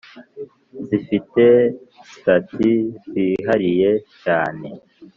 zifite sitati zihariye cyane,